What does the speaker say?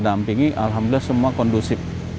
dampingi alhamdulillah semua kondusif